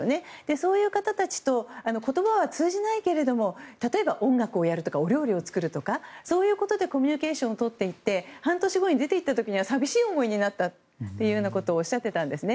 そういう方たちと言葉は通じないけれども例えば音楽をやるとかお料理を作るとかそういうことでコミュニケーションをとって半年後に出て行った時には寂しい思いになったということをおっしゃっていたんですね。